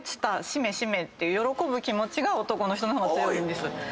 しめしめって喜ぶ気持ちが男の人の方が強いんです。